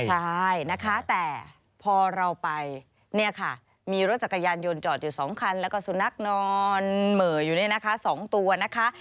ใช่นะคะแต่พอเราไปเนี่ยค่ะมีรถจักรยานยนต์จอดอยู่๒คันแล้วก็สุนัขนอนเหม่ออยู่นี่นะคะ๒ตัวนะคะ